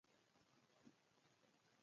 دښمن له ده په وینو رنګ و.